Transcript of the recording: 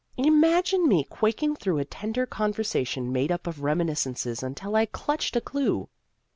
Imagine me quaking through a tender conversation made up of reminiscences, until I clutched a clew